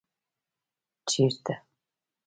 ـ چېرته؟